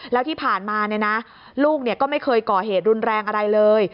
แล้วที่ผ่านมาลูกก็ไม่เคยก่อเหตุรุนแรงอะไรเลย